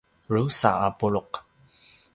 drusa a puluq